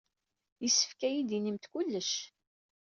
Yessefk ad iyi-d-tinimt kullec.